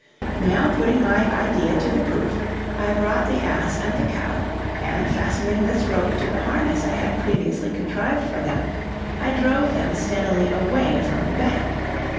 Now putting my idea to the proof, I brought the ass and the cow, and fastening this rope to the harness I had previously contrived for them, I drove them steadily away from the bank.